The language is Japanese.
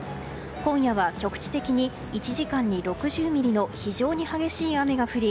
今夜は局地的に１時間に６０ミリの非常に激しい雨が降り